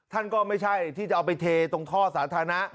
ท่านก็ไม่ใช่ที่จะเอาไปเทตรงท่อสาธารณะ